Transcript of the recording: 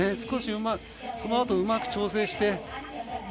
少し、そのあとうまく調整して。